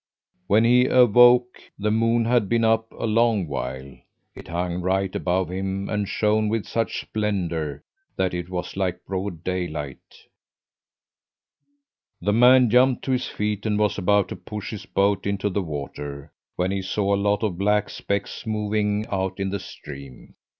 When he awoke the moon had been up a long while. It hung right above him and shone with such splendour that it was like broad daylight. "The man jumped to his feet and was about to push his boat into the water, when he saw a lot of black specks moving out in the stream.